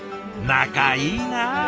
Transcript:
仲いいな！